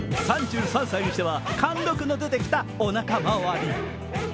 ３３歳にしては貫禄の出てきたおなかまわり。